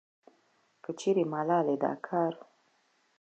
کچېرې ملالې دا کار